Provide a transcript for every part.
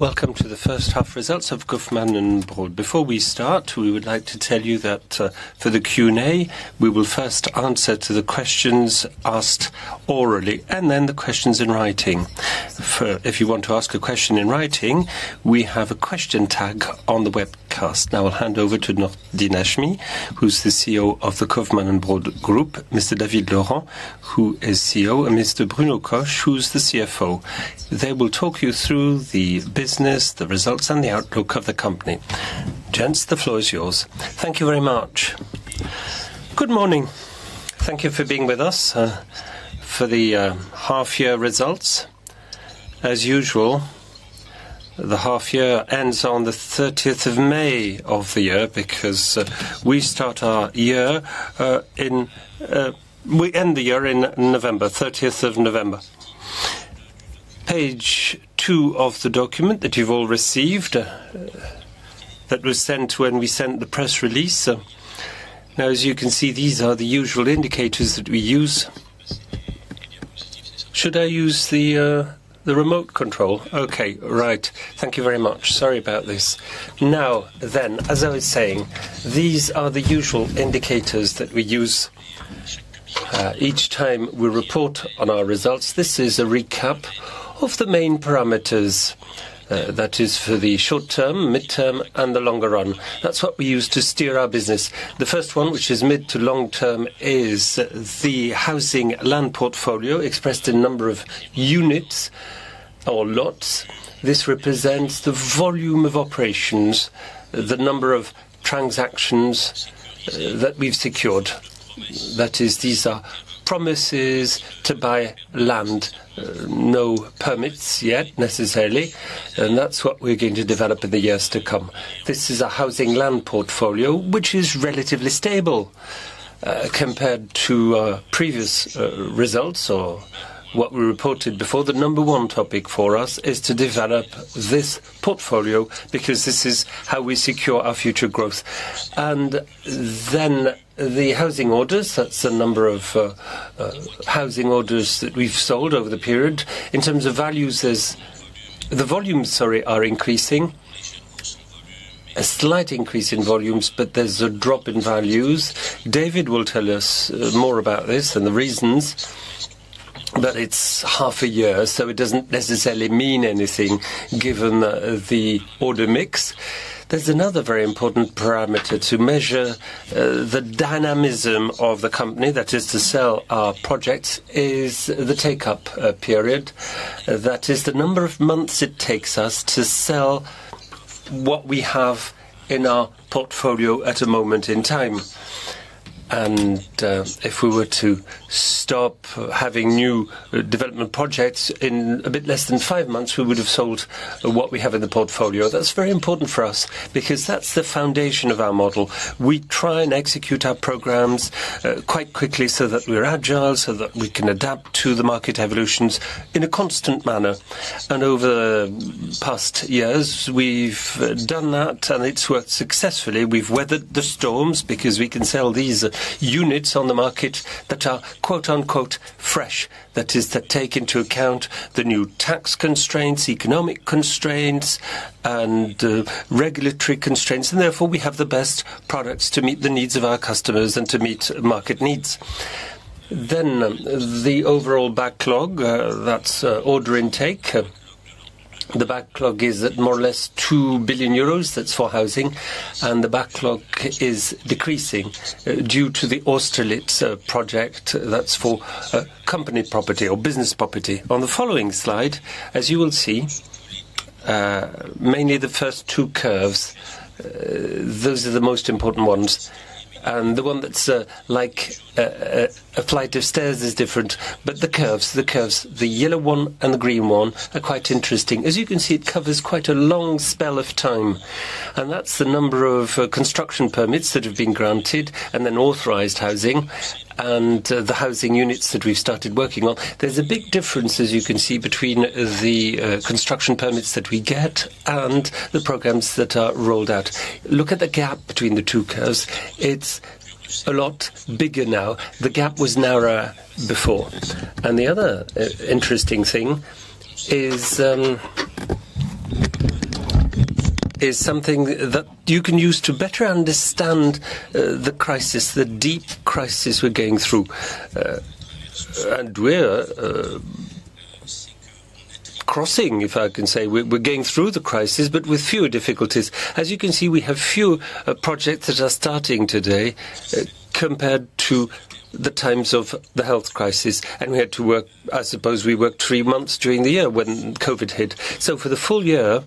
Welcome to the first half results of Kaufman & Broad. Before we start, we would like to tell you that for the Q&A, we will first answer to the questions asked orally and then the questions in writing. If you want to ask a question in writing, we have a question tag on the webcast. I'll hand over to Nordine Hachemi, who's the CEO of the Kaufman & Broad Group, Mr. David Laurent, who is CEO, and Mr. Bruno Coche, who's the CFO. They will talk you through the business, the results, and the outlook of the company. Gents, the floor is yours. Thank you very much. Good morning. Thank you for being with us for the half-year results. As usual, the half year ends on the 30th of May of the year because we end the year in November, 30th of November. Page two of the document that you've all received that was sent when we sent the press release. As you can see, these are the usual indicators that we use. Should I use the remote control? Okay. All right. Thank you very much. Sorry about this. As I was saying, these are the usual indicators that we use each time we report on our results. This is a recap of the main parameters, that is for the short-term, mid-term, and the longer run. That's what we use to steer our business. The first one, which is mid- to long-term, is the housing land portfolio expressed in number of housing units or lots. This represents the volume of operations, the number of transactions that we've secured. That is, these are promises to buy land, no permits yet necessarily, and that's what we're going to develop in the years to come. This is our housing land portfolio, which is relatively stable compared to our previous results or what we reported before. The number one topic for us is to develop this portfolio because this is how we secure our future growth. The housing orders, that's the number of housing orders that we've sold over the period. In terms of values, the volumes, sorry, are increasing. A slight increase in volumes, there's a drop in values. David will tell us more about this and the reasons. It's half a year, so it doesn't necessarily mean anything given the order mix. There's another very important parameter to measure the dynamism of the company that is to sell our projects is the take-up period. That is the number of months it takes us to sell what we have in our portfolio at a moment in time. If we were to stop having new development projects in a bit less than five months, we would have sold what we have in the portfolio. That's very important for us because that's the foundation of our model. We try and execute our programs quite quickly so that we are agile, so that we can adapt to the market evolutions in a constant manner. Over past years, we've done that, and it's worked successfully. We've weathered the storms because we can sell these units on the market that are "fresh." That is, that take into account the new tax constraints, economic constraints, and regulatory constraints. Therefore, we have the best products to meet the needs of our customers and to meet market needs. The overall backlog, that's order intake. The backlog is at more or less 2 billion euros, that's for housing, and the backlog is decreasing due to the Austerlitz project. That's for commercial property. On the following slide, as you will see, mainly the first two curves, those are the most important ones. The one that's like a flight of stairs is different, but the curves, the yellow one and the green one, are quite interesting. As you can see, it covers quite a long spell of time, that's the number of construction permits that have been granted, then authorized housing, and the housing units that we've started working on. There's a big difference, as you can see, between the construction permits that we get and the programs that are rolled out. Look at the gap between the two curves. It's a lot bigger now. The gap was narrower before. The other interesting thing is something that you can use to better understand the crisis, the deep crisis we're going through. We're crossing, if I can say, we're going through the crisis, but with fewer difficulties. As you can see, we have fewer projects that are starting today compared to the times of the health crisis. We had to work, I suppose we worked three months during the year when COVID hit. For the full year,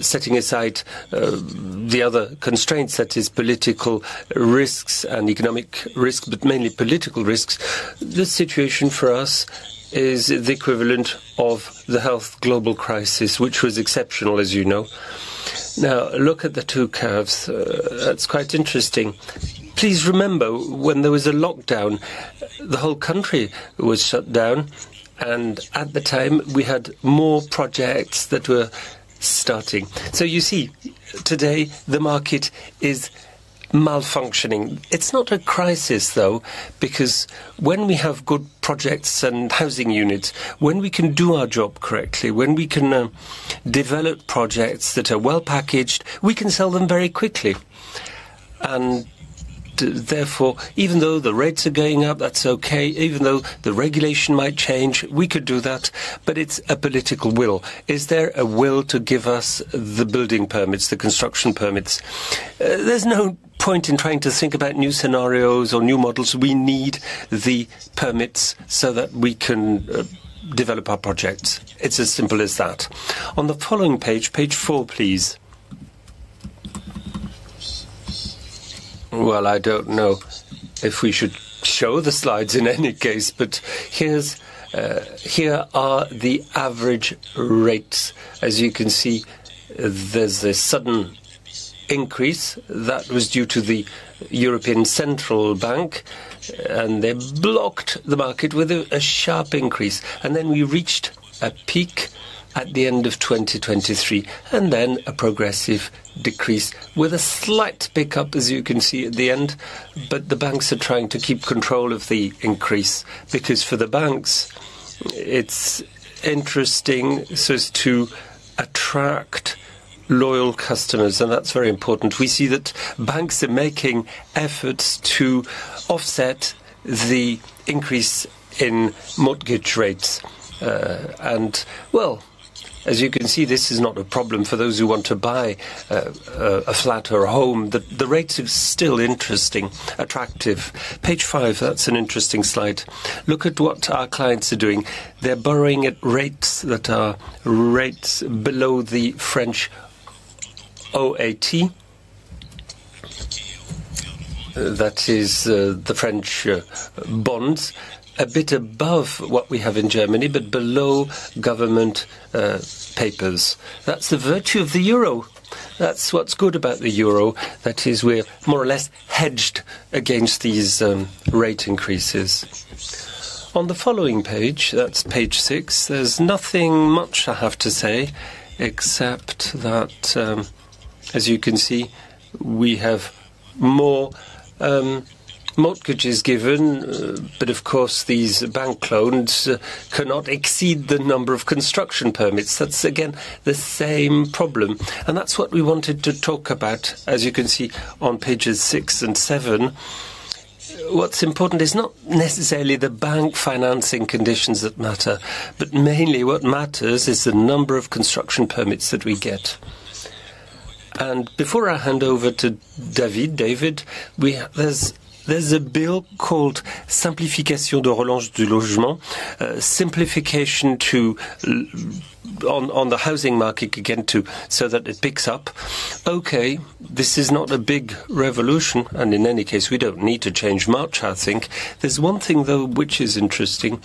setting aside the other constraints that is political risks and economic risks, but mainly political risks, this situation for us is the equivalent of the health global crisis, which was exceptional, as you know. Now, look at the two curves. That's quite interesting. Please remember, when there was a lockdown, the whole country was shut down, at the time, we had more projects that were starting. You see, today the market is malfunctioning. It's not a crisis, though, because when we have good projects and housing units, when we can do our job correctly, when we can develop projects that are well packaged, we can sell them very quickly. Therefore, even though the rates are going up, that's okay, even though the regulation might change, we could do that, but it's a political will. Is there a will to give us the building permits, the construction permits? There's no point in trying to think about new scenarios or new models. We need the permits so that we can develop our projects. It's as simple as that. On the following page four, please. I don't know if we should show the slides in any case, here are the average rates. As you can see, there's a sudden increase that was due to the European Central Bank, they blocked the market with a sharp increase. We reached a peak at the end of 2023, a progressive decrease with a slight pickup, as you can see at the end, the banks are trying to keep control of the increase, because for the banks, it's interesting so as to attract loyal customers, that's very important. We see that banks are making efforts to offset the increase in mortgage rates. As you can see, this is not a problem for those who want to buy a flat or a home. The rates are still interesting, attractive. Page five, that's an interesting slide. Look at what our clients are doing. They're borrowing at rates that are rates below the French OAT. That is the French bonds, a bit above what we have in Germany, but below government papers. That's the virtue of the euro. That's what's good about the euro. That is, we're more or less hedged against these rate increases. On the following page, that's page six, there's nothing much I have to say except that, as you can see, we have more mortgages given, but of course, these bank loans cannot exceed the number of construction permits. That's again, the same problem. That's what we wanted to talk about, as you can see on pages six and seven. What's important is not necessarily the bank financing conditions that matter, but mainly what matters is the number of construction permits that we get. Before I hand over to David, there's a bill called Simplification de relance du logement, simplification on the housing market, again, so that it picks up. Okay, this is not a big revolution, and in any case, we don't need to change much, I think. There's one thing, though, which is interesting,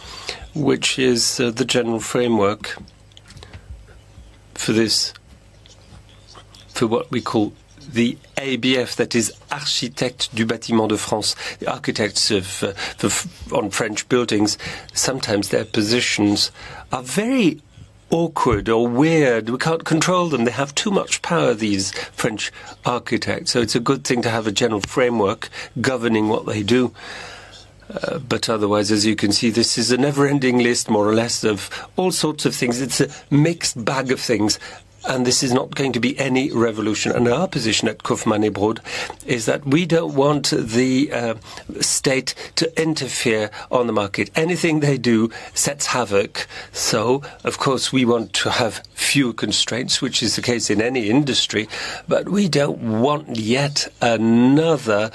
which is the general framework for what we call the ABF, that is Architectes des Bâtiments de France. The architects on French buildings, sometimes their positions are very awkward or weird. We can't control them. They have too much power, these French architects. Otherwise, as you can see, this is a never-ending list, more or less, of all sorts of things. It's a mixed bag of things, and this is not going to be any revolution. Our position at Kaufman & Broad is that we don't want the state to interfere on the market. Anything they do sets havoc. Of course, we want to have fewer constraints, which is the case in any industry, but we don't want yet another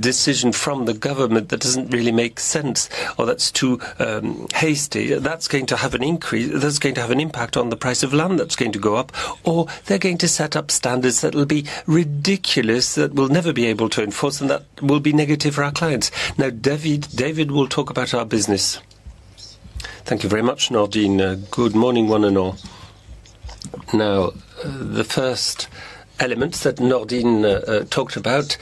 decision from the government that doesn't really make sense or that's too hasty. That's going to have an impact on the price of land that's going to go up, or they're going to set up standards that will be ridiculous, that we'll never be able to enforce, and that will be negative for our clients. Now, David will talk about our business. Thank you very much, Nordine. Good morning, one and all. Now, the first elements that Nordine talked about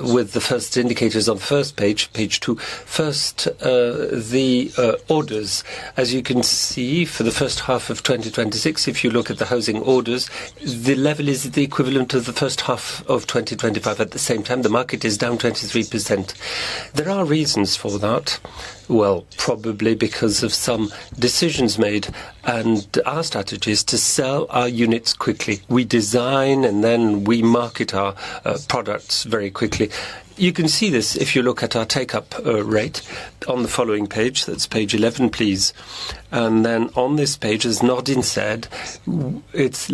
with the first indicators on first page two. First, the orders. As you can see, for the first half of 2026, if you look at the housing orders, the level is the equivalent of the first half of 2025. At the same time, the market is down 23%. There are reasons for that. Well, probably because of some decisions made, and our strategy is to sell our units quickly. We design and then we market our products very quickly. You can see this if you look at our take-up rate on the following page. That's page 11, please. Then on this page, as Nordine said, it's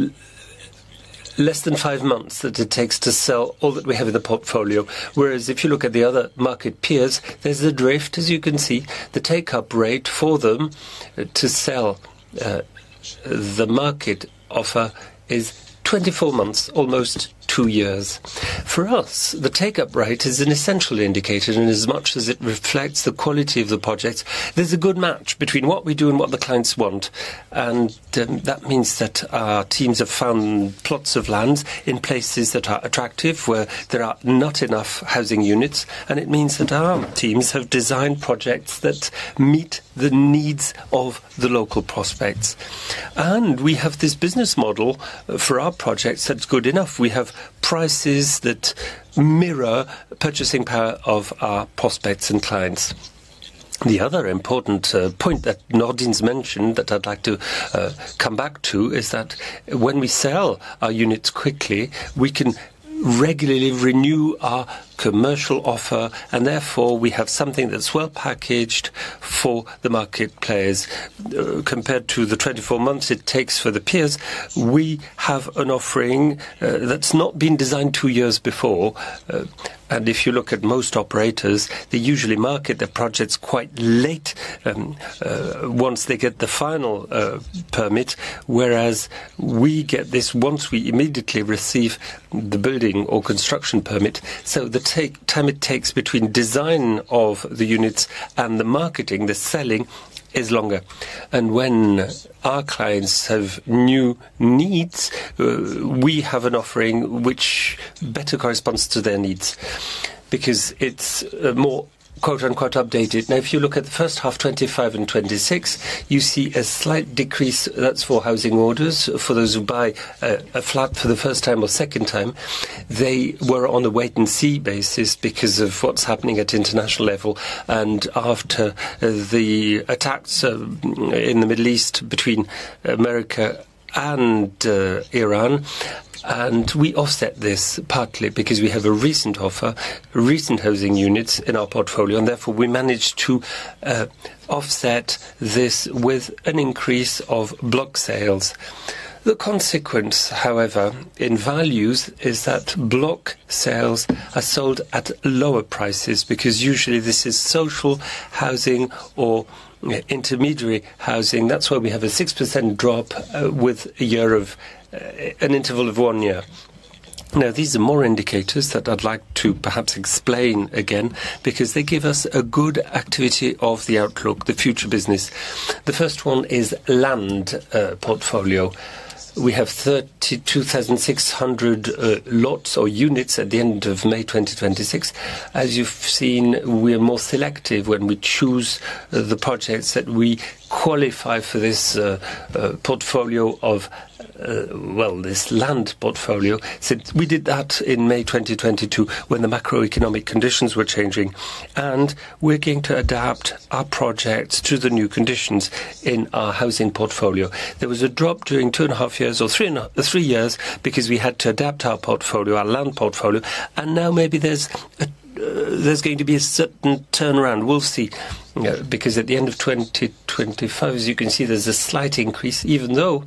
less than five months that it takes to sell all that we have in the portfolio. Whereas if you look at the other market peers, there's a drift, as you can see. The take-up rate for them to sell the market offer is 24 months, almost two years. For us, the take-up rate is an essential indicator inasmuch as it reflects the quality of the projects. There's a good match between what we do and what the clients want, that means that our teams have found plots of land in places that are attractive, where there are not enough housing units, and it means that our teams have designed projects that meet the needs of the local prospects. We have this business model for our projects that's good enough. We have prices that mirror purchasing power of our prospects and clients. The other important point that Nordine's mentioned that I'd like to come back to is that when we sell our units quickly, we can regularly renew our commercial offer. Therefore we have something that's well-packaged for the market players compared to the 24 months it takes for the peers. We have an offering that's not been designed two years before. If you look at most operators, they usually market their projects quite late, once they get the final permit, whereas we get this once we immediately receive the building or construction permit. The time it takes between design of the units and the marketing, the selling is longer. When our clients have new needs, we have an offering which better corresponds to their needs because it's more "updated." If you look at the first half 2025 and 2026, you see a slight decrease. That's for housing orders. For those who buy a flat for the first time or second time, they were on a wait and see basis because of what's happening at international level and after the attacks in the Middle East between America and Iran. We offset this partly because we have a recent offer, recent housing units in our portfolio. Therefore we managed to offset this with an increase of block sales. The consequence, however, in values is that block sales are sold at lower prices because usually this is social housing or intermediary housing. That's why we have a 6% drop with an interval of one year. These are more indicators that I'd like to perhaps explain again because they give us a good activity of the outlook, the future business. The first one is land portfolio. We have 32,600 lots or units at the end of May 2026. As you've seen, we're more selective when we choose the projects that we qualify for this land portfolio, since we did that in May 2022 when the macroeconomic conditions were changing. We're going to adapt our projects to the new conditions in our housing portfolio. There was a drop during two and a half years or three years because we had to adapt our portfolio, our land portfolio. Now maybe there's going to be a certain turnaround. We'll see, because at the end of 2025, as you can see, there's a slight increase even though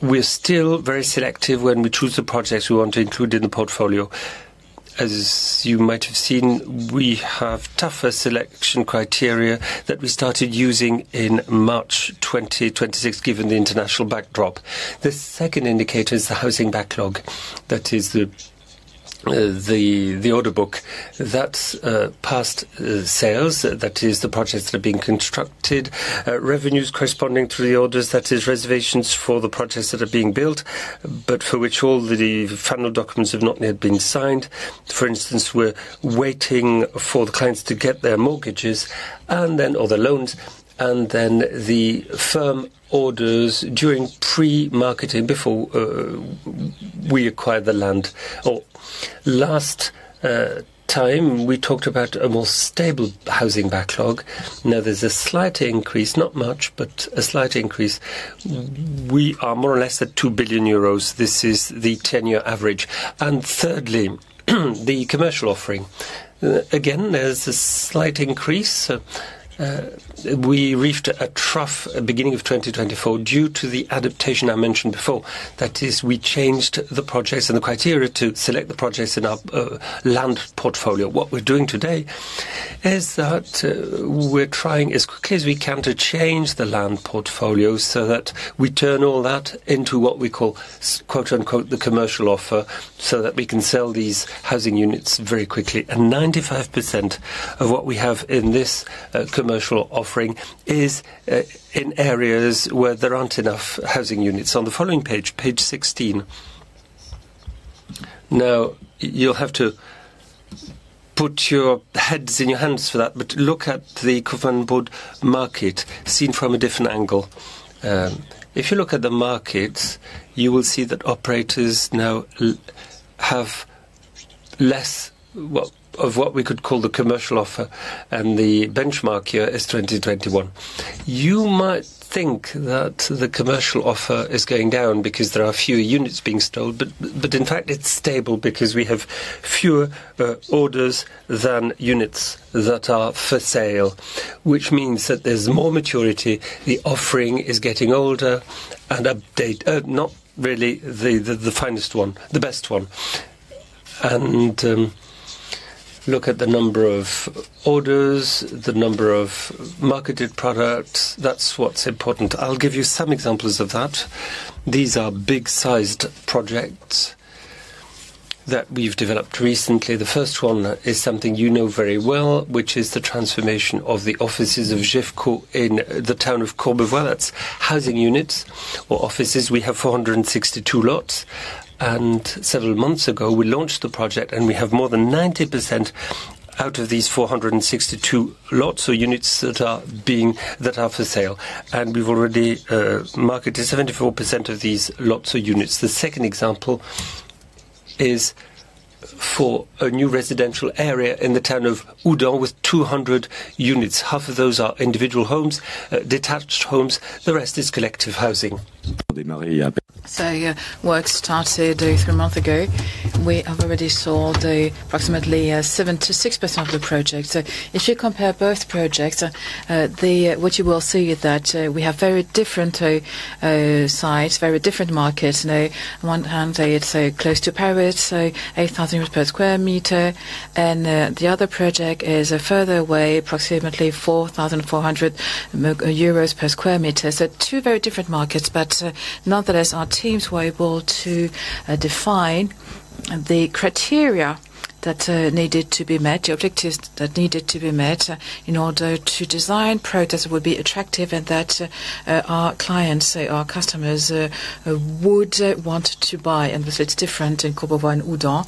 we're still very selective when we choose the projects we want to include in the portfolio. As you might have seen, we have tougher selection criteria that we started using in March 2026, given the international backdrop. The second indicator is the housing backlog. That is the order book. That's past sales. That is the projects that are being constructed. Revenues corresponding to the orders, that is reservations for the projects that are being built, but for which all the final documents have not yet been signed. For instance, we're waiting for the clients to get their mortgages or the loans, then the firm orders during pre-marketing before we acquired the land. Last time, we talked about a more stable housing backlog. There's a slight increase, not much, but a slight increase. We are more or less at 2 billion euros. This is the 10-year average. Thirdly, the commercial offering. Again, there's a slight increase. We reached a trough beginning of 2024 due to the adaptation I mentioned before. That is, we changed the projects and the criteria to select the projects in our land portfolio. What we're doing today is that we're trying as quickly as we can to change the land portfolio so that we turn all that into what we call "the commercial offer" so that we can sell these housing units very quickly. 95% of what we have in this commercial offering is in areas where there aren't enough housing units. On the following page 16. You'll have to put your heads in your hands for that, but look at the Kaufman & Broad market seen from a different angle. If you look at the markets, you will see that operators now have less of what we could call the commercial offer, and the benchmark year is 2021. You might think that the commercial offer is going down because there are fewer units being sold, but in fact it's stable because we have fewer orders than units that are for sale, which means that there's more maturity. The offering is getting older and not really the finest one, the best one. Look at the number of orders, the number of marketed products. That's what's important. I'll give you some examples of that. These are big-sized projects. That we've developed recently. The first one is something you know very well, which is the transformation of the offices of GEFCO in the town of Courbevoie. It's housing units or offices. We have 462 lots. Several months ago, we launched the project, and we have more than 90% out of these 462 lots or units that are for sale. We've already marketed 74% of these lots or units. The second example is for a new residential area in the town of Houdan with 200 units. Half of those are individual homes, detached homes, the rest is collective housing. Work started three months ago. We have already sold approximately 76% of the project. If you compare both projects, what you will see is that we have very different sites, very different markets. It's close to Paris, 8,000 euros/sq m. The other project is further away, approximately 4,400 euros per sq m. Two very different markets, but nonetheless, our teams were able to define the criteria that needed to be met, the objectives that needed to be met in order to design projects that would be attractive and that our clients or our customers would want to buy. It's different in Corbeville and Houdan.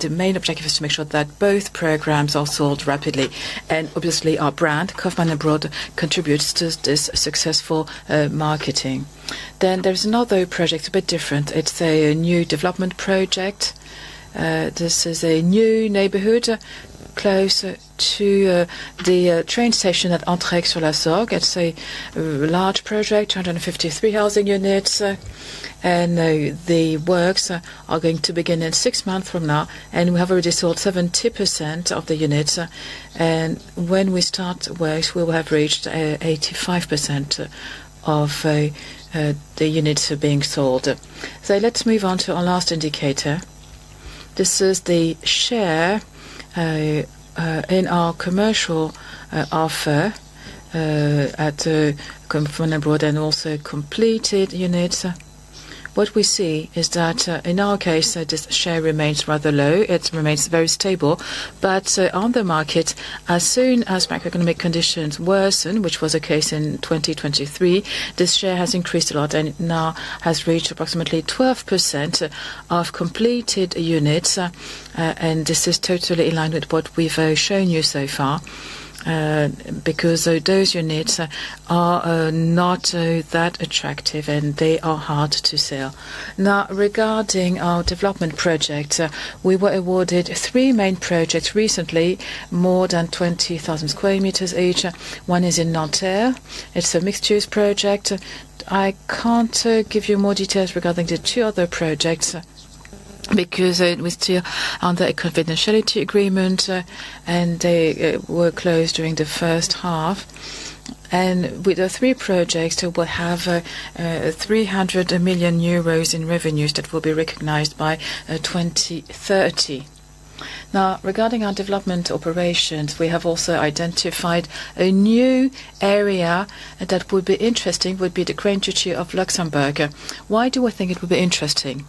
The main objective is to make sure that both programs are sold rapidly. Obviously our brand, Kaufman & Broad, contributes to this successful marketing. There's another project, a bit different. It's a new development project. This is a new neighborhood close to the train station at Entraigues-sur-la-Sorgue. It's a large project, 253 housing units. The works are going to begin in six months from now, and we have already sold 70% of the units. When we start work, we will have reached 85% of the units being sold. Let's move on to our last indicator. This is the share in our commercial offer at Kaufman & Broad and also completed units. What we see is that, in our case, this share remains rather low. It remains very stable. On the market, as soon as macroeconomic conditions worsen, which was the case in 2023, this share has increased a lot, and it now has reached approximately 12% of completed units. This is totally in line with what we've shown you so far, because those units are not that attractive, and they are hard to sell. Regarding our development project, we were awarded three main projects recently, more than 20,000 sq m each. One is in Nanterre. It's a mixed-use project. I can't give you more details regarding the two other projects because it was still under a confidentiality agreement, and they were closed during the first half. With the three projects, we'll have 300 million euros in revenues that will be recognized by 2030. Regarding our development operations, we have also identified a new area that would be interesting, would be the Grand Duchy of Luxembourg. Why do I think it would be interesting?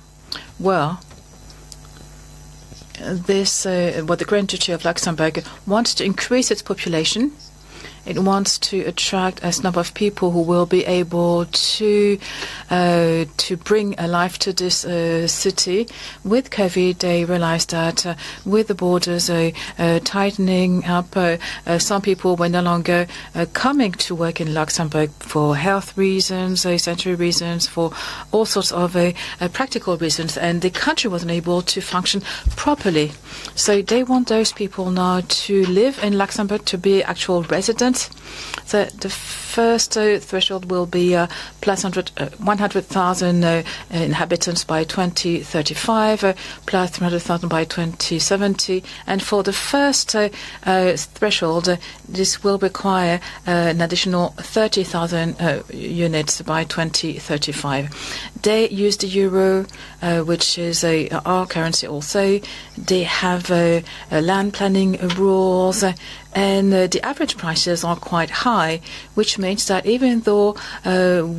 The Grand Duchy of Luxembourg wants to increase its population. It wants to attract a number of people who will be able to bring life to this city. With COVID, they realized that with the borders tightening up, some people were no longer coming to work in Luxembourg for health reasons, essential reasons, for all sorts of practical reasons, and the country wasn't able to function properly. They want those people now to live in Luxembourg, to be actual residents. The first threshold will be 100,000 inhabitants by 2035, +300,000 by 2070. For the first threshold, this will require an additional 30,000 units by 2035. They use the euro, which is our currency also. They have land planning rules, and the average prices are quite high, which means that even though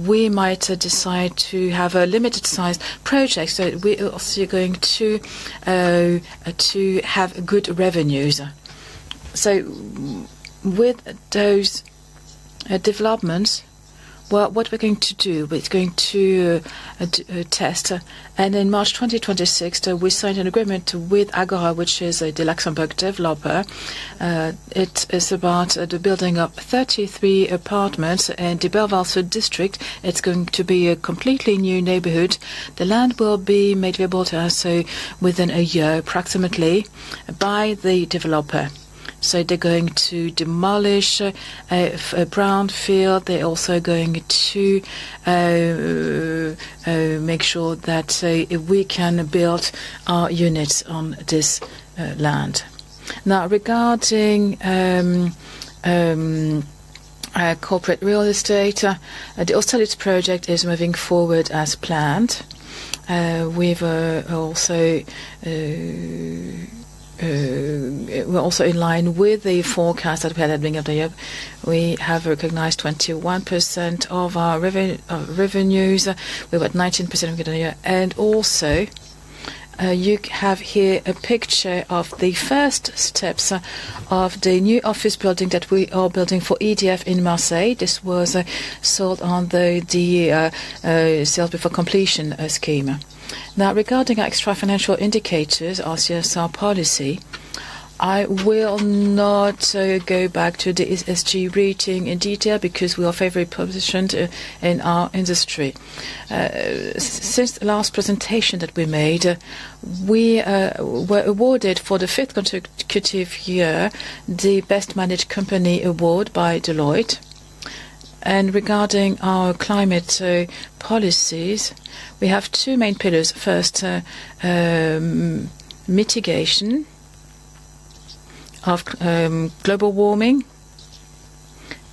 we might decide to have a limited size project, we are also going to have good revenues. With those developments, what we're going to do, it's going to test. In March 2026, we signed an agreement with Agora, which is the Luxembourg developer. It is about the building up 33 apartments in the Belval district. It's going to be a completely new neighborhood. The land will be made available to us within a year, approximately, by the developer. They're going to demolish a brownfield. They're also going to make sure that we can build our units on this land. Regarding corporate real estate, the Austerlitz project is moving forward as planned. We're also in line with the forecast that we had at the beginning of the year. We have recognized 21% of our revenues. We're at 19% of guidance. Also, you have here a picture of the first steps of the new office building that we are building for EDF in Marseille. This was sold under the sales before completion scheme. Regarding our extra financial indicators, our CSR policy, I will not go back to the ESG rating in detail, because we are very well positioned in our industry. Since the last presentation that we made, we were awarded, for the fifth consecutive year, the Best Managed Company award by Deloitte. Regarding our climate policies, we have two main pillars. Mitigation of global warming.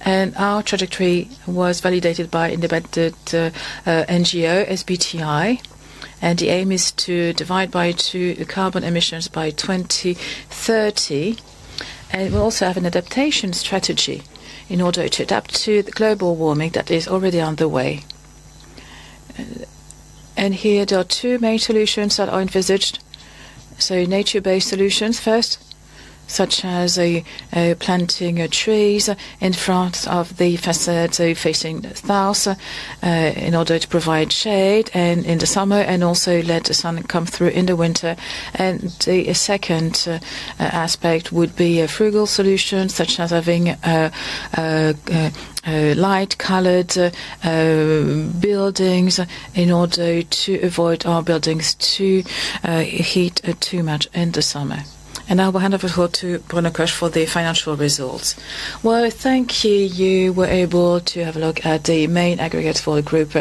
Our trajectory was validated by independent NGO, SBTi, and the aim is to divide by two the carbon emissions by 2030. We also have an adaptation strategy in order to adapt to the global warming that is already on the way. Here, there are two main solutions that are envisaged. Nature-based solutions first, such as planting trees in front of the facades facing south, in order to provide shade in the summer and also let the sun come through in the winter. The second aspect would be frugal solutions, such as having light-colored buildings in order to avoid our buildings to heat too much in the summer. Now I will hand over to Bruno Coche for the financial results. Thank you. You were able to have a look at the main aggregates for the group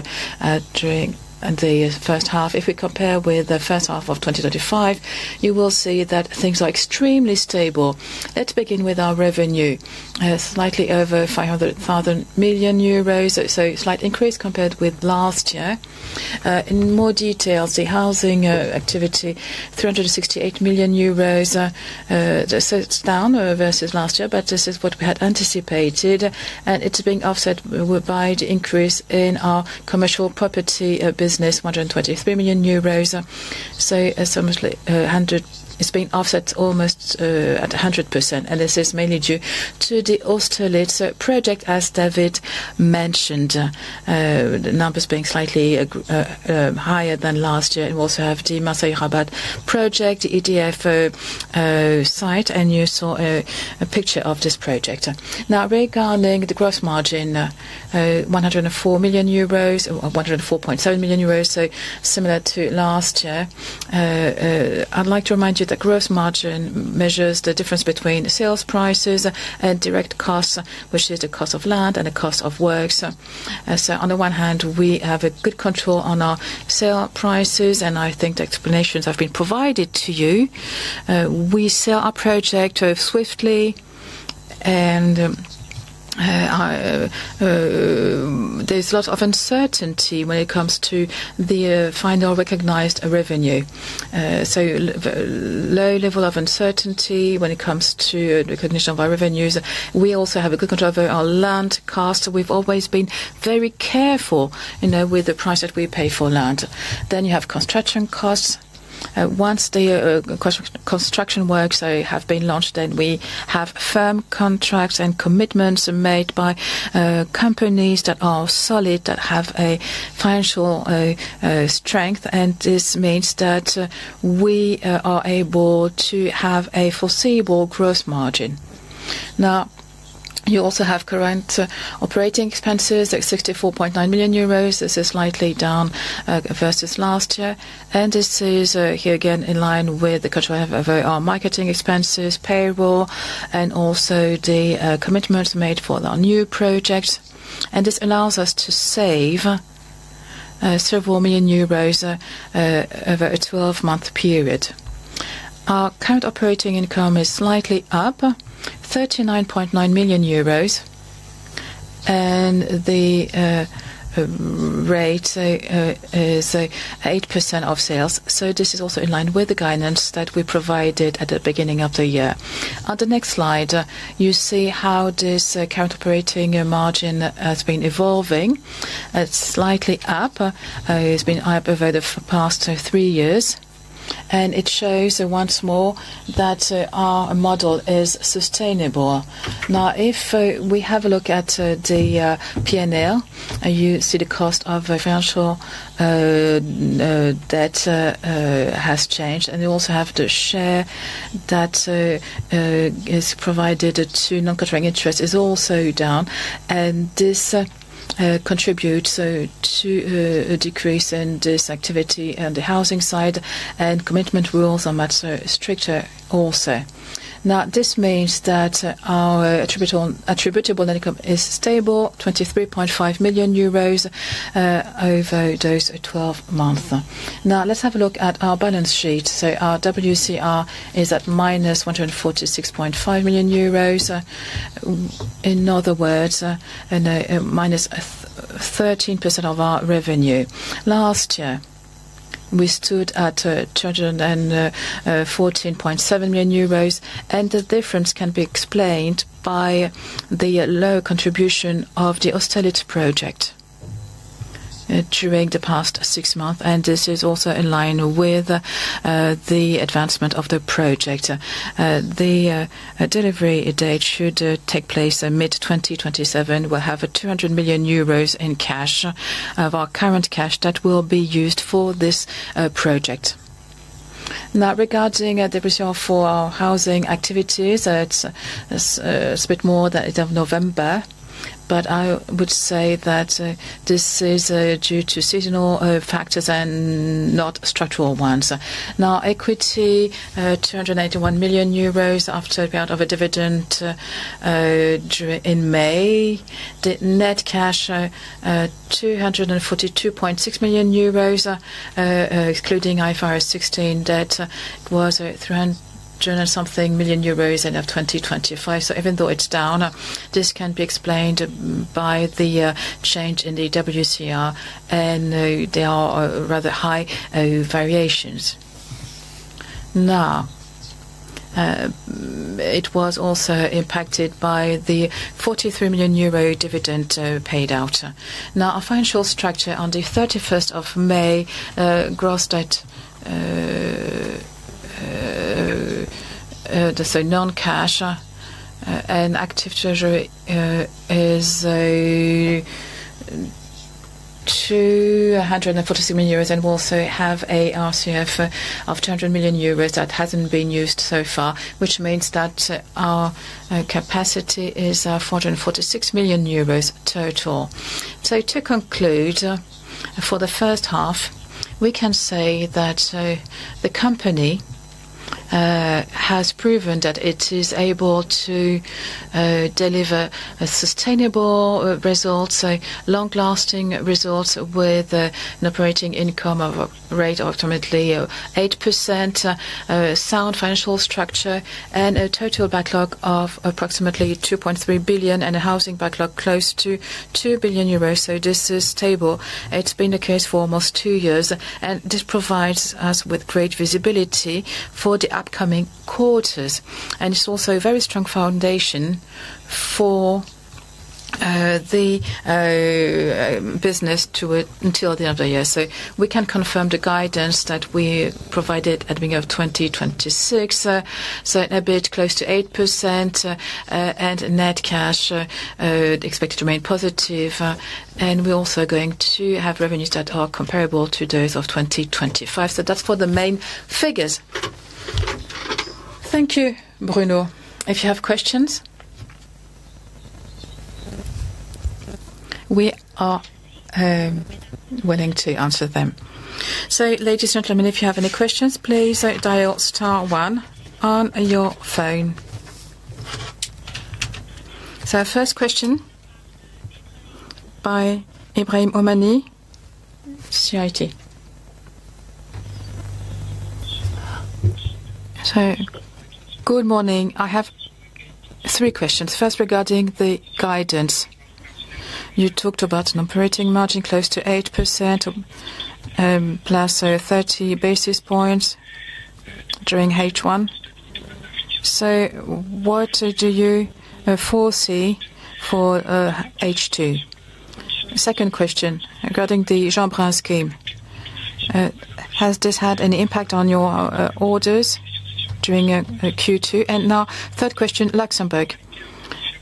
during the first half. If we compare with the first half of 2025, you will see that things are extremely stable. Let's begin with our revenue, slightly over 500 million euros. Slight increase compared with last year. In more detail, the housing activity, 368 million euros. It's down versus last year, but this is what we had anticipated. It's being offset by the increase in our commercial property business, 123 million euros. It's being offset almost at 100%, and this is mainly due to the Austerlitz project, as David mentioned. The numbers being slightly higher than last year. We also have the Marseille Rabat project, the EDF site, and you saw a picture of this project. Regarding the gross margin, 104.7 million euros. Similar to last year. I'd like to remind you that gross margin measures the difference between sales prices and direct costs, which is the cost of land and the cost of works. On the one hand, we have a good control on our sale prices, and I think the explanations have been provided to you. We sell our project swiftly, there's a lot of uncertainty when it comes to the final recognized revenue. low level of uncertainty when it comes to recognition of our revenues. We also have a good control over our land cost. We've always been very careful with the price that we pay for land. You have construction costs. Once the construction works have been launched, we have firm contracts and commitments made by companies that are solid, that have a financial strength. This means that we are able to have a foreseeable gross margin. You also have current operating expenses at 64.9 million euros. This is slightly down versus last year. This is, here again, in line with the control we have over our marketing expenses, payroll, and also the commitments made for our new projects. This allows us to save several million euro over a 12-month period. Our current operating income is slightly up, 39.9 million euros, and the rate is 8% of sales. This is also in line with the guidance that we provided at the beginning of the year. On the next slide, you see how this current operating margin has been evolving. It's slightly up. It's been up over the past three years, and it shows, once more, that our model is sustainable. If we have a look at the P&L, you see the cost of our financial debt has changed, and you also have the share that is provided to non-controlling interest is also down. This contributes to a decrease in this activity on the housing side, and commitment rules are much stricter also. This means that our attributable net income is stable, 23.5 million euros over those 12 months. Let's have a look at our balance sheet. Our WCR is at -146.5 million euros. In other words, minus 13% of our revenue. Last year we stood at 214.7 million euros, and the difference can be explained by the low contribution of the Austerlitz project during the past six months. This is also in line with the advancement of the project. The delivery date should take place in mid-2027. We'll have 200 million euros in cash of our current cash that will be used for this project. Regarding depreciation for our housing activities, it's a bit more that of November, but I would say that this is due to seasonal factors and not structural ones. Equity, 281 million euros after payout of a dividend in May. The net cash, 242.6 million euros, excluding IFRS 16, that was 300 and something million euros end of 2025. Even though it's down, this can be explained by the change in the WCR, and there are rather high variations. It was also impacted by the 43 million euro dividend paid out. Our financial structure on the 31st of May, gross debt, that's non-cash, and active treasury is 246 million euros, and we also have a RCF of 200 million euros that hasn't been used so far, which means that our capacity is 446 million euros total. To conclude, for the first half, we can say that the company has proven that it is able to deliver sustainable results, long-lasting results with an operating income of a rate of ultimately 8%, a sound financial structure, and a total backlog of approximately 2.3 billion and a housing backlog close to 2 billion euros. This is stable. It's been the case for almost two years, and this provides us with great visibility for the upcoming quarters. It's also a very strong foundation for the business until the end of the year. We can confirm the guidance that we provided at the beginning of 2026. An EBIT close to 8% and net cash expected to remain positive. We're also going to have revenues that are comparable to those of 2025. That's for the main figures. Thank you, Bruno. If you have questions, we are willing to answer them. Ladies and gentlemen, if you have any questions, please dial star one on your phone. Our first question by Ibrahim Omani, CIC. Good morning. I have three questions. First, regarding the guidance. You talked about an operating margin close to 8%, plus 30 basis points during H1. What do you foresee for H2? Second question, regarding the Jeanbrun scheme. Has this had any impact on your orders during Q2? Now, third question, Luxembourg.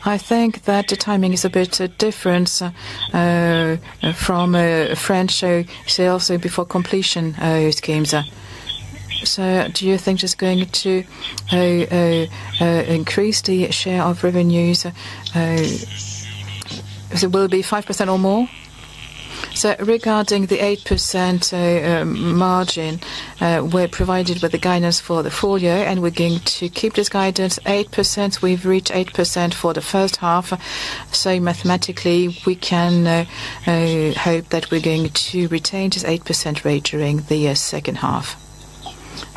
I think that the timing is a bit different from French sales before completion schemes. Do you think it's going to increase the share of revenues? Will it be 5% or more? Regarding the 8% margin, we're provided with the guidance for the full year, and we're going to keep this guidance, 8%. We've reached 8% for the first half. Mathematically, we can hope that we're going to retain this 8% rate during the second half.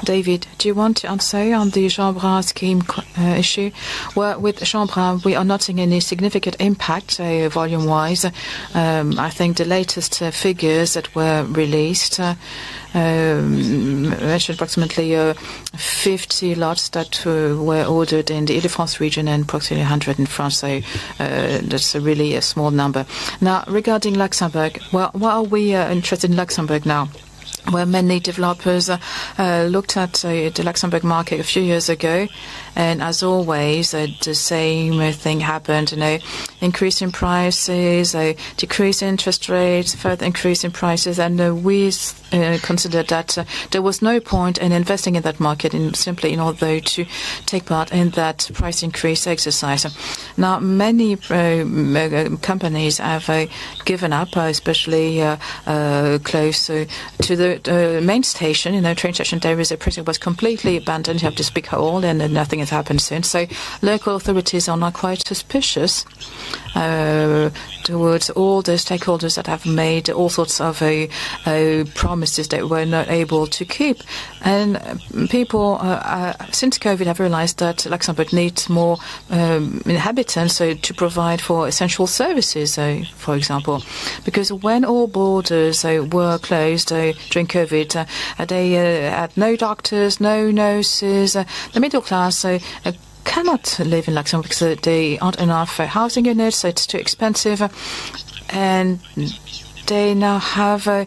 David, do you want to answer on the Jeanbrun scheme issue? Well, with Jeanbrun, we are not seeing any significant impact volume-wise. I think the latest figures that were released, approximately 50 lots that were ordered in the Ile-de-France region and approximately 100 in France. That's really a small number. Regarding Luxembourg, why are we interested in Luxembourg now, where many developers looked at the Luxembourg market a few years ago, and as always, the same thing happened, increase in prices, decrease in interest rates, further increase in prices, and we considered that there was no point in investing in that market simply in order to take part in that price increase exercise. Many companies have given up, especially close to the main station, the train station there was completely abandoned. You have this big hole and then nothing has happened since. Local authorities are now quite suspicious towards all the stakeholders that have made all sorts of promises they were not able to keep. People, since COVID, have realized that Luxembourg needs more inhabitants to provide for essential services, for example. Because when all borders were closed during COVID, they had no doctors, no nurses. The middle class cannot live in Luxembourg because there aren't enough housing units, so it's too expensive. They now have a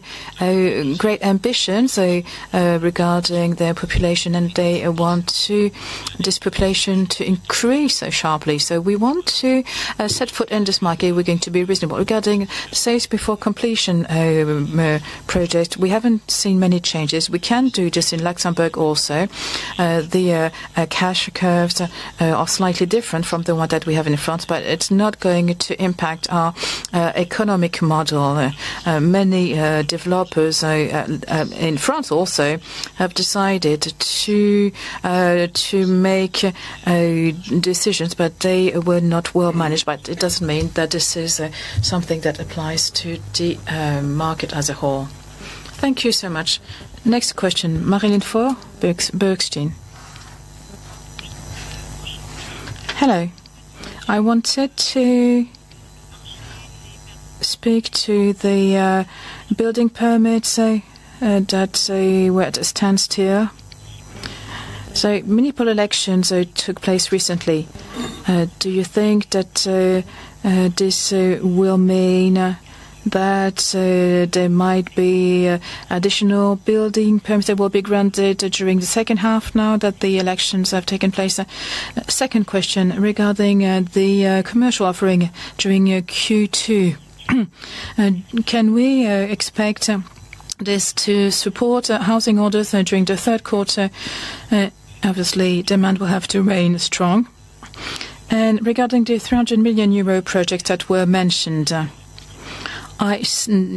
great ambition regarding their population, and they want this population to increase sharply. We want to set foot in this market. We're going to be reasonable. Regarding sales before completion project, we haven't seen many changes. We can do this in Luxembourg also. The cash curves are slightly different from the one that we have in France, but it's not going to impact our economic model. Many developers in France also have decided to make decisions, but they were not well-managed. But it doesn't mean that this is something that applies to the market as a whole. Thank you so much. Next question, Marie-Line Fort, Bernstein. Hello. I wanted to speak to the building permits, where it stands here. So municipal elections took place recently. Do you think that this will mean that there might be additional building permits that will be granted during the second half now that the elections have taken place? Second question, regarding the commercial offering during Q2, can we expect this to support housing orders during the third quarter? Obviously, demand will have to remain strong. Regarding the 300 million euro projects that were mentioned, I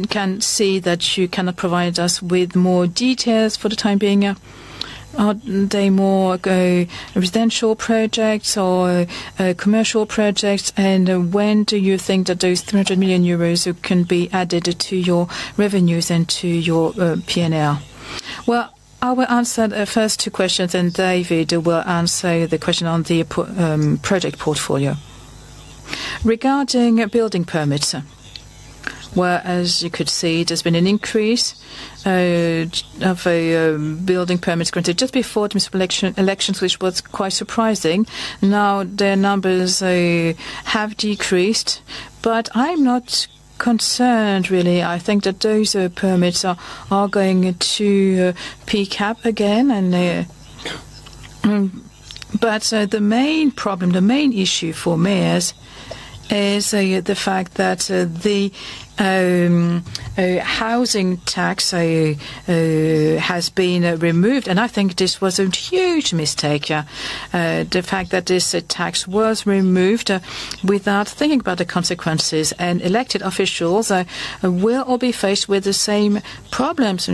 can see that you cannot provide us with more details for the time being. Are they more residential projects or commercial projects, and when do you think that those 300 million euros can be added to your revenues and to your P&L? Well, I will answer the first two questions, then David will answer the question on the project portfolio. Regarding building permits, where as you could see, there's been an increase of building permits granted just before the elections, which was quite surprising. Now their numbers have decreased, but I'm not concerned really. I think that those permits are going to pick up again. But the main problem, the main issue for mayors is the fact that the housing tax has been removed. I think this was a huge mistake, the fact that this tax was removed without thinking about the consequences. Elected officials will all be faced with the same problems.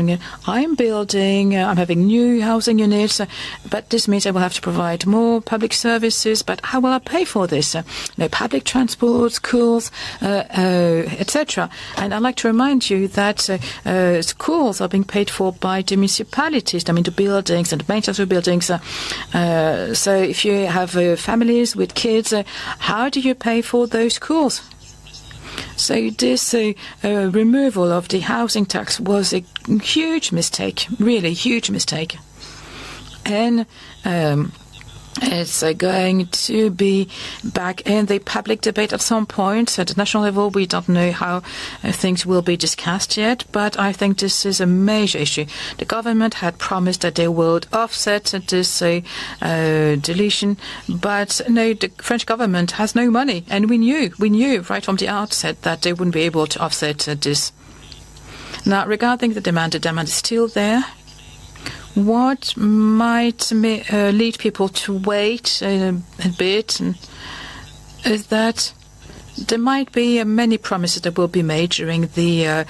I'm building, I'm having new housing units, but this means I will have to provide more public services. How will I pay for this? Public transport, schools, et cetera." I'd like to remind you that schools are being paid for by the municipalities. I mean, the buildings and the maintenance of buildings. So if you have families with kids, how do you pay for those schools? So this removal of the housing tax was a huge mistake. Really huge mistake. It's going to be back in the public debate at some point. At the national level, we don't know how things will be discussed yet. I think this is a major issue. The government had promised that they would offset this deletion, but no, the French government has no money, and we knew right from the outset that they wouldn't be able to offset this. Regarding the demand, the demand is still there. What might lead people to wait a bit is that there might be many promises that will be made during the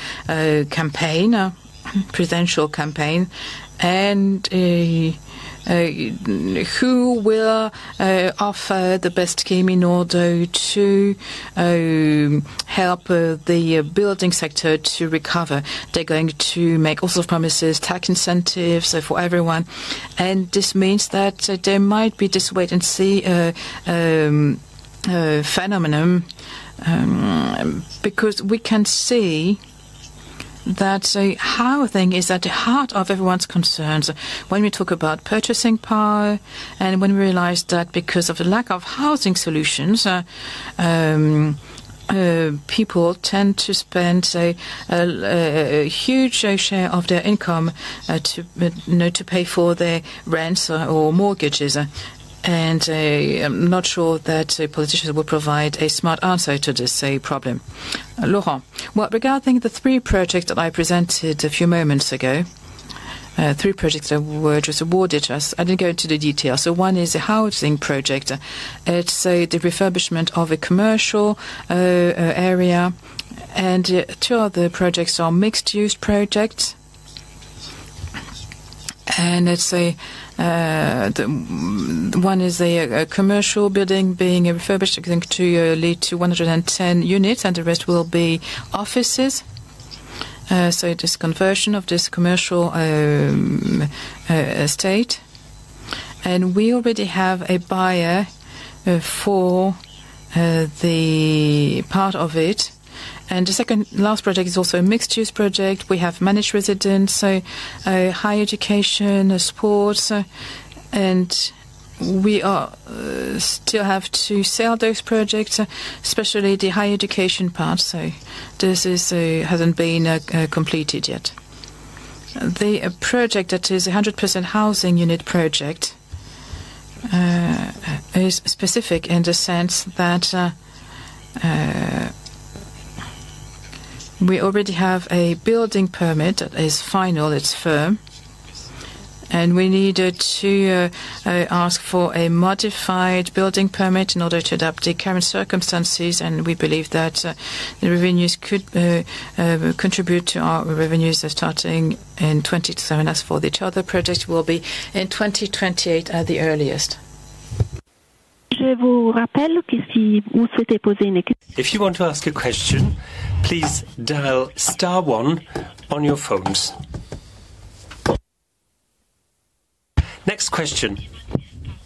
presidential campaign, and who will offer the best scheme in order to help the building sector to recover. They're going to make all sort of promises, tax incentives for everyone. This means that there might be this wait-and-see phenomenon, because we can see that housing is at the heart of everyone's concerns. When we talk about purchasing power and when we realize that because of the lack of housing solutions, people tend to spend a huge share of their income to pay for their rents or mortgages. I'm not sure that politicians will provide a smart answer to this problem. Laurent. Well, regarding the three projects that I presented a few moments ago, three projects which was awarded to us, I didn't go into the details. One is a housing project. It's the refurbishment of a commercial area, two other projects are mixed-use projects. Let's say one is a commercial building being refurbished to lead to 110 units, and the rest will be offices. It is conversion of this commercial estate. We already have a buyer for the part of it. The second last project is also a mixed-use project. We have managed residence, so high education, sports, and we still have to sell those projects, especially the high education part. This hasn't been completed yet. The project that is 100% housing unit project, is specific in the sense that we already have a building permit that is final, it's firm. We needed to ask for a modified building permit in order to adapt to current circumstances, we believe that the revenues could contribute to our revenues starting in 2027. As for each other project, will be in 2028 at the earliest. If you want to ask a question, please dial star one on your phones. Next question,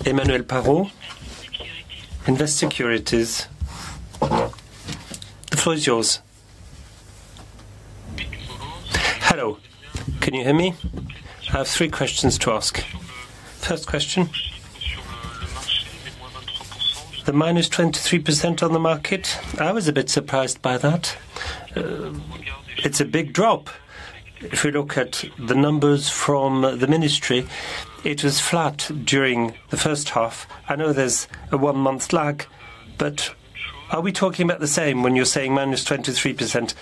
Emmanuel Parot, Invest Securities. The floor is yours. Hello, can you hear me? I have three questions to ask. First question, the -23% on the market, I was a bit surprised by that. It's a big drop. If you look at the numbers from the ministry, it was flat during the first half. I know there's a one-month lag, but are we talking about the same when you're saying minus 23%?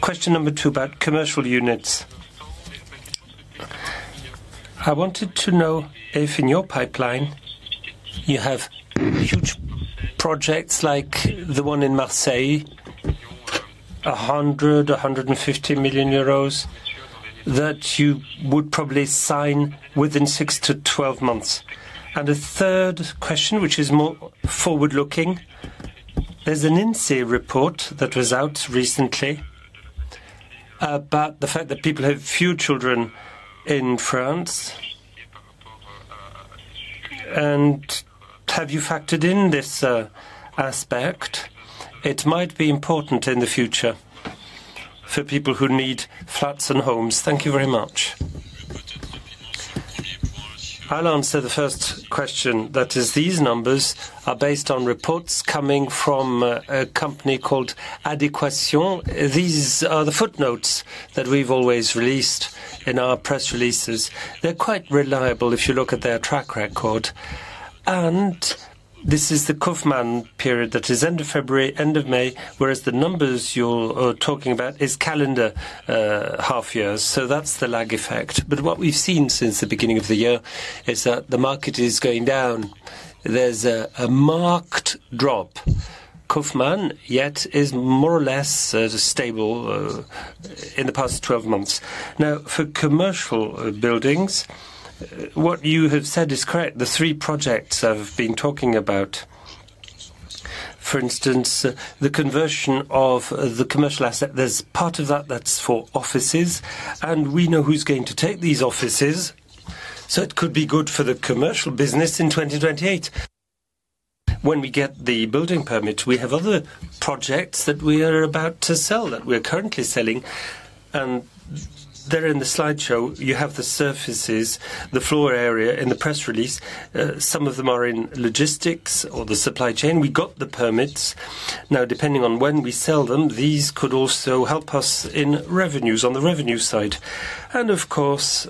Question number two about commercial units. I wanted to know if in your pipeline you have huge projects like the one in Marseille, 100 million, 150 million euros, that you would probably sign within 6 to 12 months. The third question, which is more forward-looking, there's an INSEE report that was out recently about the fact that people have few children in France. Have you factored in this aspect? It might be important in the future for people who need flats and homes. Thank you very much. I'll answer the first question. That is, these numbers are based on reports coming from a company called Adéquation. These are the footnotes that we've always released in our press releases. They're quite reliable if you look at their track record, and this is the Kaufman period, that is end of February, end of May, whereas the numbers you're talking about is calendar half year. That's the lag effect. What we've seen since the beginning of the year is that the market is going down. There's a marked drop. Kaufman, yet, is more or less stable in the past 12 months. Now, for commercial buildings, what you have said is correct. The three projects I've been talking about, for instance, the conversion of the commercial asset, there's part of that that's for offices, and we know who's going to take these offices. It could be good for the commercial business in 2028. When we get the building permit, we have other projects that we are about to sell, that we're currently selling, and they're in the slideshow. You have the surfaces, the floor area in the press release. Some of them are in logistics or the supply chain. We got the permits. Depending on when we sell them, these could also help us in revenues, on the revenue side. Of course,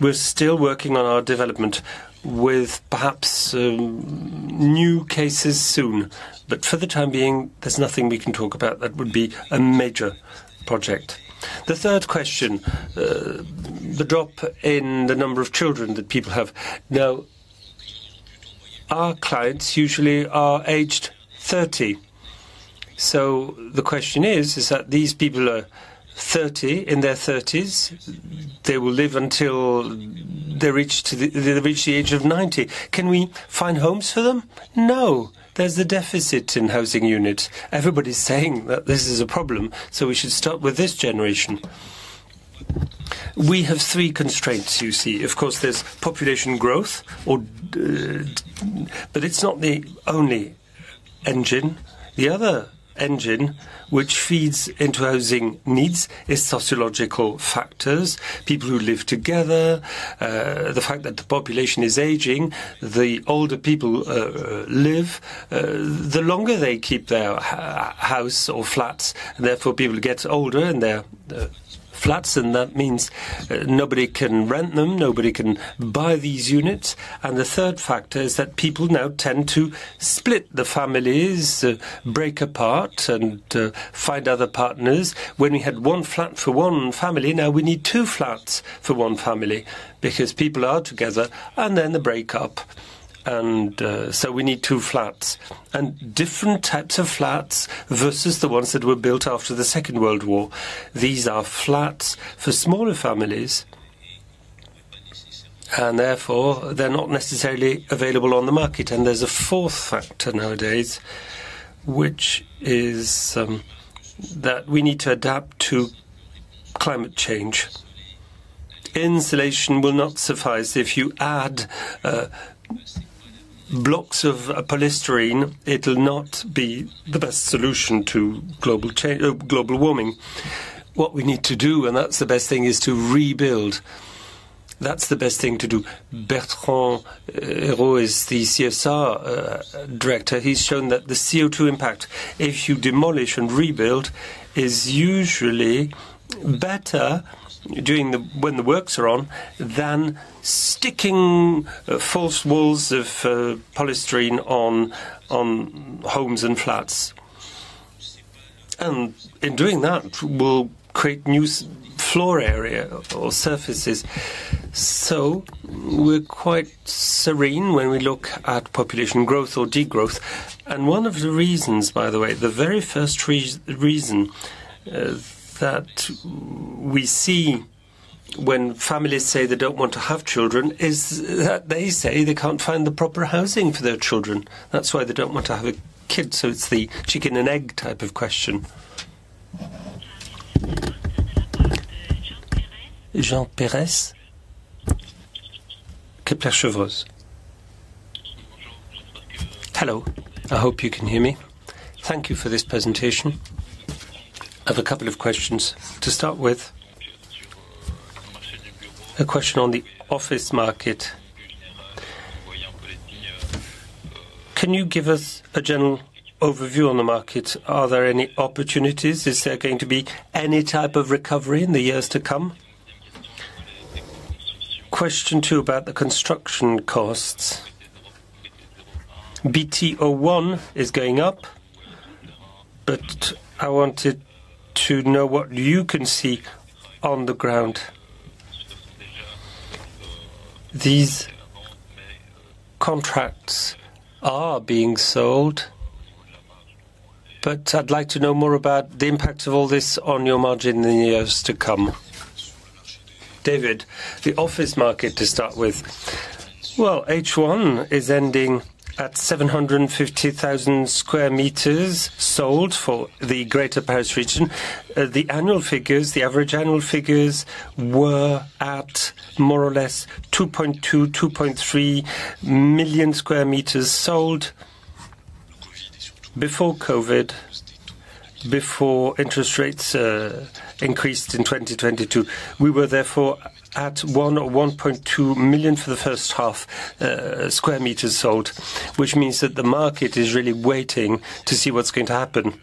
we're still working on our development with perhaps new cases soon. For the time being, there's nothing we can talk about that would be a major project. The third question, the drop in the number of children that people have. Our clients usually are aged 30. The question is that these people are 30, in their 30s, they will live until they reach the age of 90. Can we find homes for them? No. There's a deficit in housing units. Everybody's saying that this is a problem, we should start with this generation. We have three constraints, you see. Of course, there's population growth, but it's not the only engine. The other engine which feeds into housing needs is sociological factors. People who live together, the fact that the population is aging, the older people live, the longer they keep their house or flats. Therefore, people get older in their flats and that means nobody can rent them, nobody can buy these units. The third factor is that people now tend to split the families, break apart, and find other partners. When we had one flat for one family, now we need two flats for one family because people are together and then they break up. We need two flats. Different types of flats versus the ones that were built after the Second World War. These are flats for smaller families, and therefore, they're not necessarily available on the market. There's a fourth factor nowadays, which is that we need to adapt to climate change. Insulation will not suffice if you add Blocks of polystyrene, it will not be the best solution to global warming. What we need to do, and that's the best thing, is to rebuild. That's the best thing to do. Bertrand Eyraud is the CSR director. He's shown that the CO2 impact, if you demolish and rebuild, is usually better when the works are on than sticking false walls of polystyrene on homes and flats. In doing that, we'll create new floor area or surfaces. We're quite serene when we look at population growth or degrowth. One of the reasons, by the way, the very first reason that we see when families say they don't want to have children, is that they say they can't find the proper housing for their children. That's why they don't want to have a kid. It's the chicken and egg type of question. Jon Pérez. Kepler Cheuvreux. Hello, I hope you can hear me. Thank you for this presentation. I have a couple of questions. A question on the office market. Can you give us a general overview on the market? Are there any opportunities? Is there going to be any type of recovery in the years to come? Question two, about the construction costs. BT01 is going up. I wanted to know what you can see on the ground. These contracts are being sold. I'd like to know more about the impact of all this on your margin in the years to come. David, the office market to start with. Well, H1 is ending at 750,000 sq m sold for the Greater Paris region. The average annual figures were at more or less 2.2 million, 2.3 million sq m sold before COVID, before interest rates increased in 2022. We were therefore at 1 million or 1.2 million for the first half square meters sold, which means that the market is really waiting to see what's going to happen.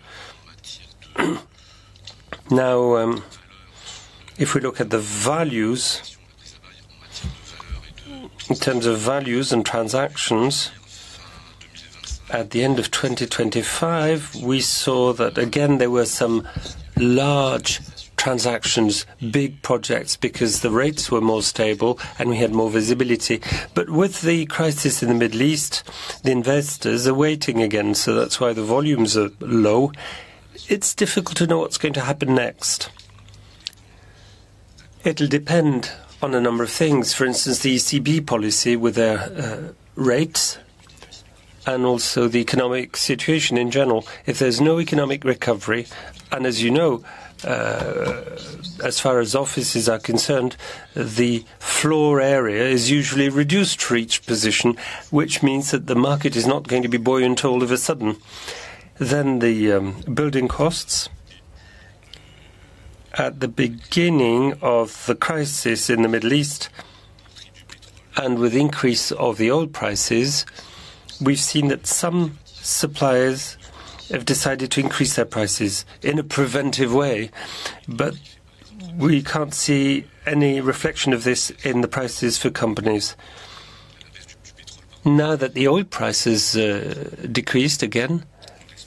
If we look at the values, in terms of values and transactions, at the end of 2025, we saw that again, there were some large transactions, big projects, because the rates were more stable and we had more visibility. With the crisis in the Middle East, the investors are waiting again. That's why the volumes are low. It'll depend on a number of things. For instance, the ECB policy with their rates and also the economic situation in general. If there's no economic recovery, as you know, as far as offices are concerned, the floor area is usually reduced for each position, which means that the market is not going to be buoyant all of a sudden. The building costs. At the beginning of the crisis in the Middle East, with increase of the oil prices, we've seen that some suppliers have decided to increase their prices in a preventive way. We can't see any reflection of this in the prices for companies. Now that the oil prices decreased again,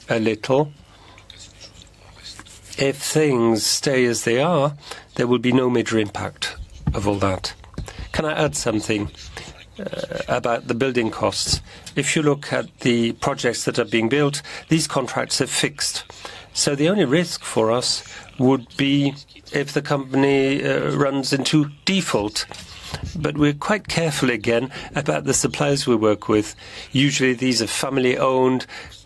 a little, if things stay as they are, there will be no major impact of all that. Can I add something about the building costs? If you look at the projects that are being built, these contracts are fixed. The only risk for us would be if the company runs into default. We're quite careful again about the suppliers we work with. Usually, these are family-owned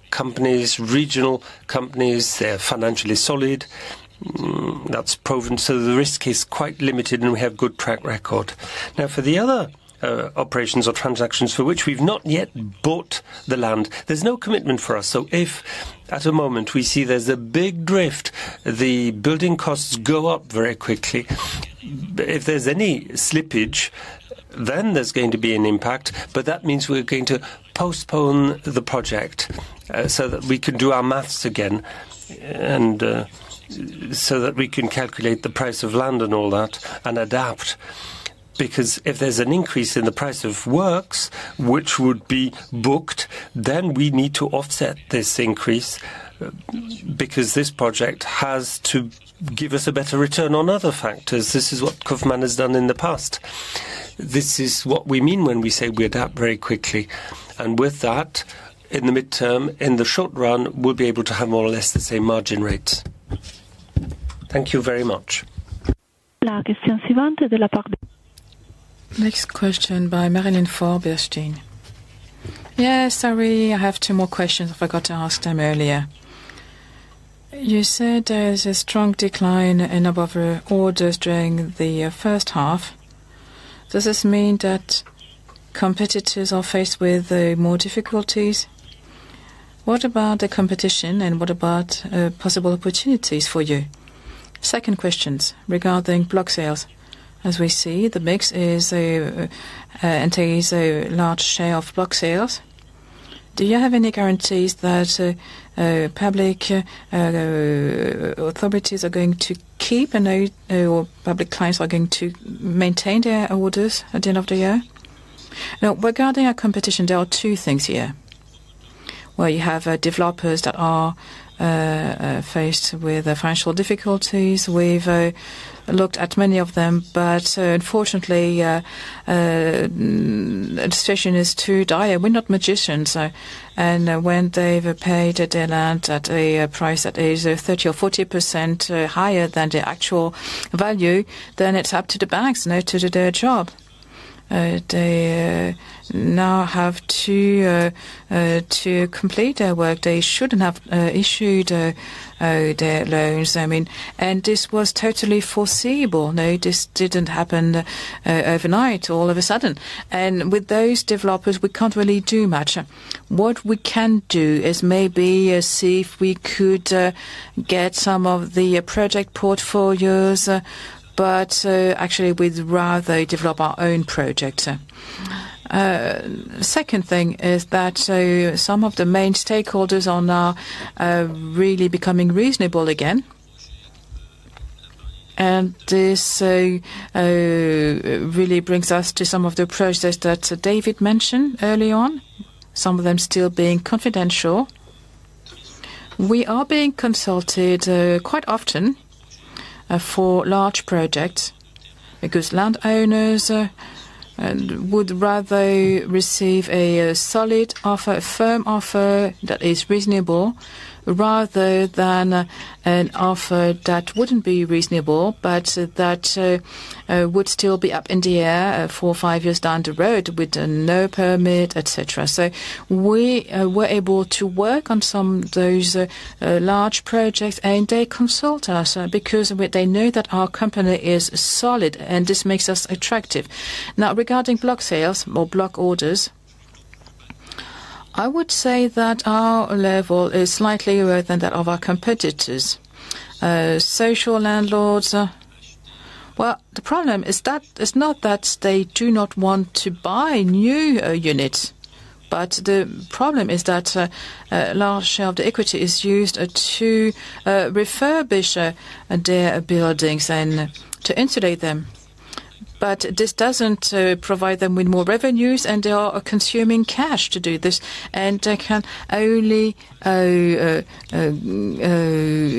companies, regional companies. They're financially solid. That's proven. The risk is quite limited, and we have good track record. For the other operations or transactions for which we've not yet bought the land, there's no commitment for us. If at a moment we see there's a big drift, the building costs go up very quickly. If there's any slippage, there's going to be an impact, but that means we're going to postpone the project so that we can do our maths again, and so that we can calculate the price of land and all that and adapt. If there's an increase in the price of works which would be booked, then we need to offset this increase because this project has to give us a better return on other factors. This is what Kaufman & Broad has done in the past. This is what we mean when we say we adapt very quickly. With that, in the mid-term, in the short run, we'll be able to have more or less the same margin rates. Thank you very much. Next question by Marie-Line Fort, Bernstein. Yes. Sorry, I have two more questions I forgot to ask them earlier. You said there is a strong decline in housing orders during the first half. Does this mean that competitors are faced with more difficulties? What about the competition, and what about possible opportunities for you? Second question, regarding block sales. As we see, the mix entails a large share of block sales. Do you have any guarantees that public authorities or public clients are going to maintain their orders at the end of the year? Regarding our competition, there are two things here, where you have developers that are faced with financial difficulties. We've looked at many of them, unfortunately, the decision is too dire. We're not magicians, when they've paid their land at a price that is 30% or 40% higher than the actual value, then it's up to the banks now to do their job. They now have to complete their work. They shouldn't have issued their loans. This was totally foreseeable. This didn't happen overnight, all of a sudden. With those developers, we can't really do much. What we can do is maybe see if we could get some of the project portfolios. Actually, we'd rather develop our own projects. Second thing is that some of the main stakeholders are now really becoming reasonable again. This really brings us to some of the approaches that David mentioned early on, some of them still being confidential. We are being consulted quite often for large projects, because landowners would rather receive a solid offer, a firm offer that is reasonable, rather than an offer that wouldn't be reasonable, but that would still be up in the air four or five years down the road with no permit, et cetera. We were able to work on some of those large projects, and they consult us because they know that our company is solid, and this makes us attractive. Now, regarding block sales or block orders, I would say that our level is slightly lower than that of our competitors. Social landlords, well, the problem is not that they do not want to buy new units. The problem is that a large share of the equity is used to refurbish their buildings and to insulate them. This doesn't provide them with more revenues, and they are consuming cash to do this, and they can only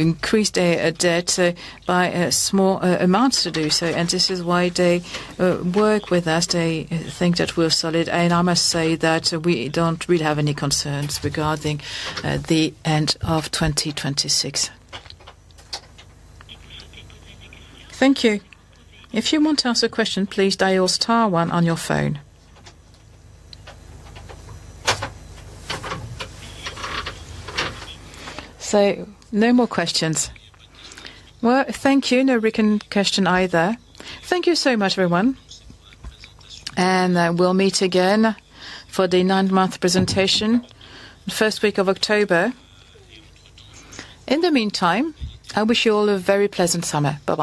increase their debt by small amounts to do so. This is why they work with us. They think that we're solid. I must say that we don't really have any concerns regarding the end of 2026. Thank you. If you want to ask a question, please dial star one on your phone. No more questions. Well, thank you. No recurring question either. Thank you so much, everyone, and we'll meet again for the nine-month presentation, the first week of October. In the meantime, I wish you all a very pleasant summer. Bye-bye.